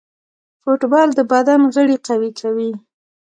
فوټبال د بدن غړي قوي کوي.